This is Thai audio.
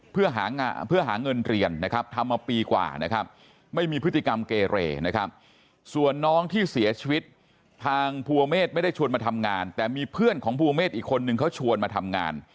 เพื่อหางานเพื่อหาเงินเรียนนะครับทำมาปีกว่านะครับไม่มีพฤติกรรมเกเรนะครับส่วนน้องที่เสียชีวิตทางภูเมฆไม่ได้ชวนมาทำงานแต่มีเพื่อนของภูเมฆอีกคนนึงเขาชวนมาทำงาน